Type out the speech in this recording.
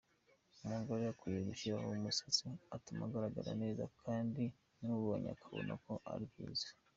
Umugore akwiye gushyiraho imisatsi ituma agaragara neza kandi n’umubonye akabona ko ari byiza.